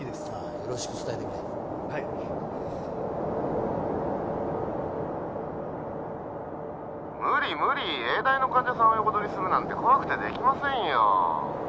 よろしくね☎無理無理☎永大の患者さんを横取りするなんて怖くてできませんよ